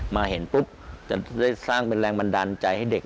มาเห็นปุ๊บจะได้สร้างเป็นแรงบันดาลใจให้เด็ก